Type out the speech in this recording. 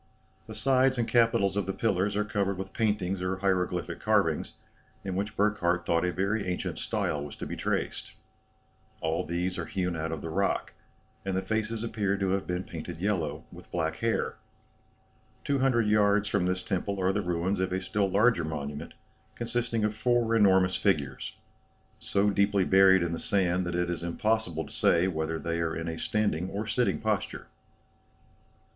The sides and capitals of the pillars are covered with paintings or hieroglyphic carvings, in which Burckhardt thought a very ancient style was to be traced. All these are hewn out of the rock, and the faces appear to have been painted yellow, with black hair. Two hundred yards from this temple are the ruins of a still larger monument, consisting of four enormous figures, so deeply buried in the sand that it is impossible to say whether they are in a standing or sitting posture."